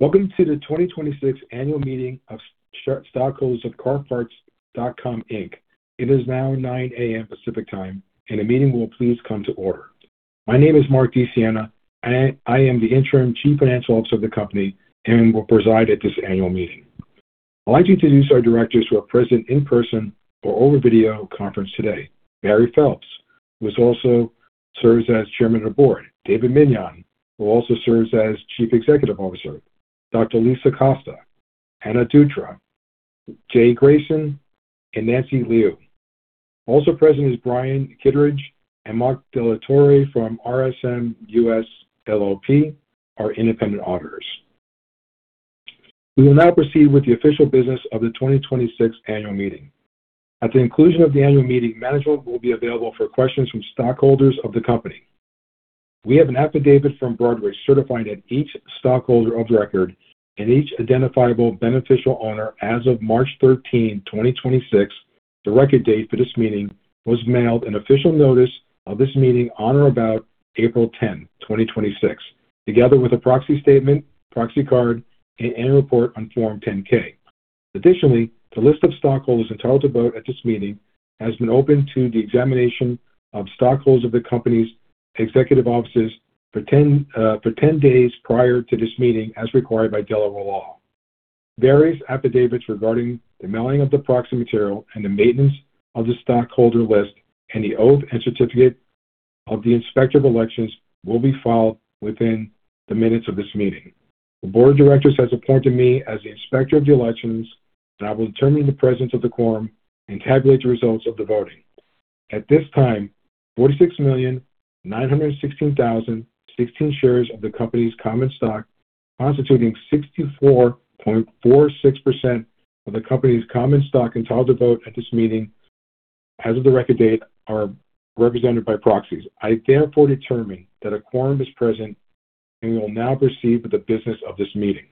Welcome to the 2026 annual meeting of stockholders of CarParts.com, Inc. It is now 9:00 A.M. Pacific Time. The meeting will please come to order. My name is Mark DiSiena. I am the Interim Chief Financial Officer of the company and will preside at this annual meeting. I'd like to introduce our directors who are present in person or over video conference today. Barry Phelps, who also serves as Chairman of the Board. David Meniane, who also serves as Chief Executive Officer. Dr. Lisa Costa, Ana Dutra, Jay Greyson, and Nanxi Liu. Also present is Brian Kittredge and Mark De La Torre from RSM US LLP, our Independent Auditors. We will now proceed with the official business of the 2026 annual meeting. At the conclusion of the annual meeting, management will be available for questions from stockholders of the company. We have an affidavit from Broadridge certifying that each stockholder of record and each identifiable beneficial owner as of March 13, 2026, the record date for this meeting, was mailed an official notice of this meeting on or about April 10, 2026, together with a proxy statement, proxy card, and annual report on Form 10-K. The list of stockholders entitled to vote at this meeting has been open to the examination of stockholders of the company's executive offices for 10 days prior to this meeting, as required by Delaware law. Various affidavits regarding the mailing of the proxy material and the maintenance of the stockholder list and the oath and certificate of the Inspector of Elections will be filed within the minutes of this meeting. The board of directors has appointed me as the Inspector of Elections. I will determine the presence of the quorum and tabulate the results of the voting. At this time, 46,916,016 shares of the company's common stock, constituting 64.46% of the company's common stock, entitled to vote at this meeting as of the record date, are represented by proxies. I therefore determine that a quorum is present. We will now proceed with the business of this meeting.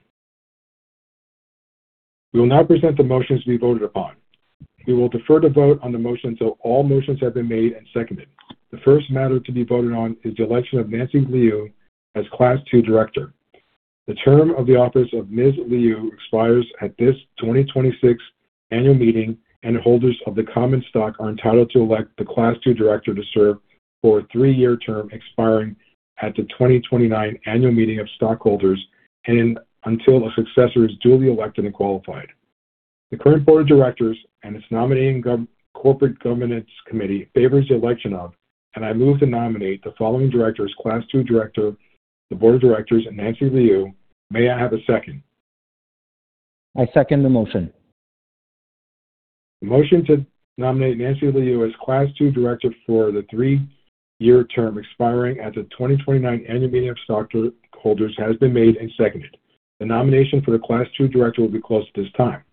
We will now present the motions to be voted upon. We will defer to vote on the motion until all motions have been made and seconded. The first matter to be voted on is the election of Nanxi Liu as Class II director. The term of the office of Nanxi Liu expires at this 2026 annual meeting, and holders of the common stock are entitled to elect the Class II director to serve for a three-year term expiring at the 2029 annual meeting of stockholders and until a successor is duly elected and qualified. The current board of directors and its nominating and corporate governance committee favors the election of, and I move to nominate the following directors, Class II director, the board of directors and Nanxi Liu. May I have a second? I second the motion. The motion to nominate Nanxi Liu as Class II director for the three-year term expiring at the 2029 annual meeting of stockholders has been made and seconded. The nomination for the Class II director will be closed at this time.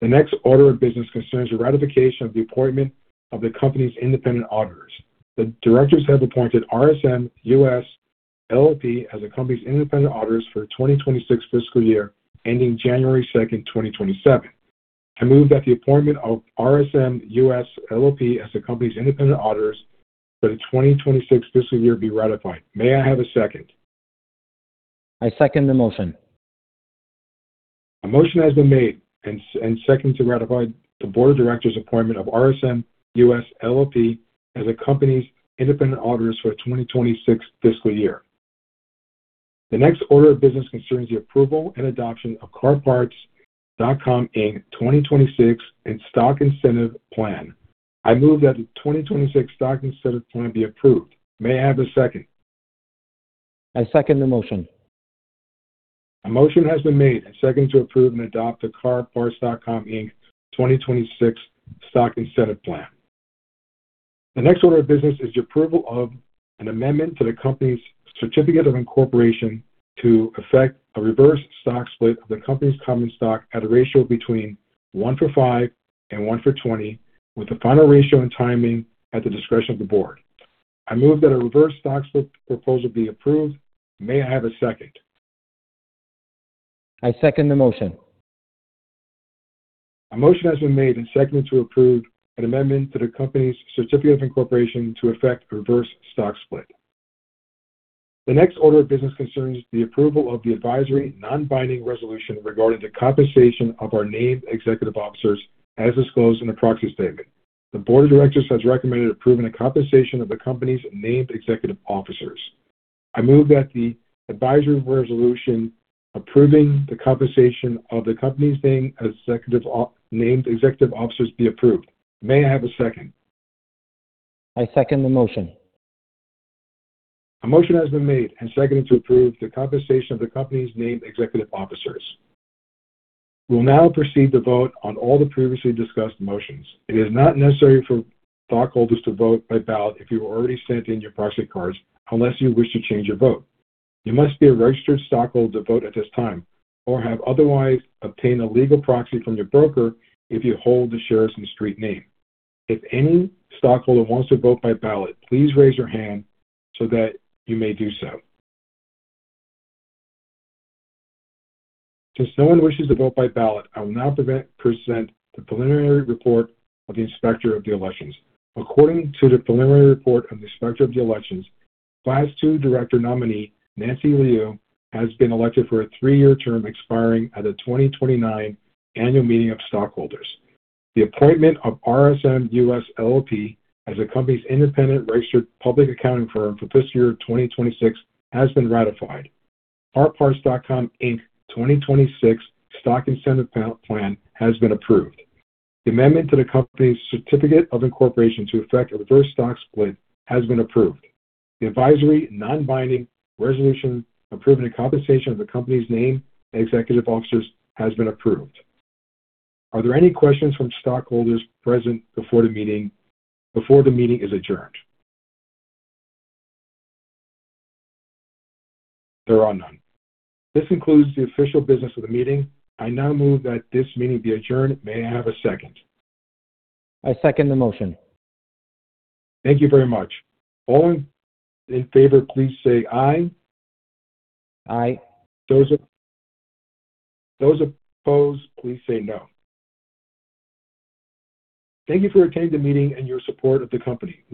The next order of business concerns the ratification of the appointment of the company's independent auditors. The directors have appointed RSM US LLP as the company's independent auditors for 2026 fiscal year, ending January 2nd, 2027. I move that the appointment of RSM US LLP as the company's independent auditors for the 2026 fiscal year be ratified. May I have a second? I second the motion. A motion has been made and seconded to ratify the board of directors appointment of RSM US LLP as the company's independent auditors for 2026 fiscal year. The next order of business concerns the approval and adoption of CarParts.com, Inc. 2026 Stock Incentive Plan. I move that the 2026 Stock Incentive Plan be approved. May I have a second? I second the motion. A motion has been made and seconded to approve and adopt the CarParts.com, Inc. 2026 Stock Incentive Plan. The next order of business is the approval of an amendment to the company's certificate of incorporation to effect a reverse stock split of the company's common stock at a ratio between one for five and one for 20, with the final ratio and timing at the discretion of the board. I move that a reverse stock split proposal be approved. May I have a second? I second the motion. A motion has been made and seconded to approve an amendment to the company's certificate of incorporation to effect reverse stock split. The next order of business concerns the approval of the advisory non-binding resolution regarding the compensation of our named executive officers as disclosed in the proxy statement. The board of directors has recommended approving the compensation of the company's named executive officers. I move that the advisory resolution approving the compensation of the company's named executive officers be approved. May I have a second? I second the motion. A motion has been made and seconded to approve the compensation of the company's named executive officers. We will now proceed to vote on all the previously discussed motions. It is not necessary for stockholders to vote by ballot if you already sent in your proxy cards, unless you wish to change your vote. You must be a registered stockholder to vote at this time or have otherwise obtained a legal proxy from your broker if you hold the shares in street name. If any stockholder wants to vote by ballot, please raise your hand so that you may do so. Since no one wishes to vote by ballot, I will now present the preliminary report of the Inspector of the Elections. According to the preliminary report of the Inspector of Elections, Class II director nominee, Nanxi Liu, has been elected for a three-year term expiring at the 2029 annual meeting of stockholders. The appointment of RSM US LLP as the company's independent registered public accounting firm for fiscal year 2026 has been ratified. CarParts.com, Inc. 2026 Stock Incentive Plan has been approved. The amendment to the company's certificate of incorporation to effect a reverse stock split has been approved. The advisory non-binding resolution approving the compensation of the company's named executive officers has been approved. Are there any questions from stockholders present before the meeting is adjourned? There are none. This concludes the official business of the meeting. I now move that this meeting be adjourned. May I have a second? I second the motion. Thank you very much. All in favor, please say aye. Aye. Those opposed, please say no. Thank you for attending the meeting and your support of the company.